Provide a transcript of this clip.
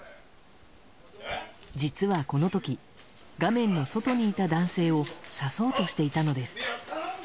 実は、この時画面の外にいた男性を刺そうとしていたのです。